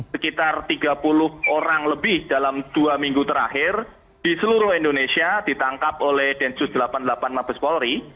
sekitar tiga puluh orang lebih dalam dua minggu terakhir di seluruh indonesia ditangkap oleh densus delapan puluh delapan mabes polri